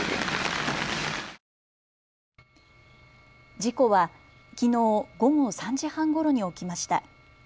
事故はきのう午後３時半ごろに起きました。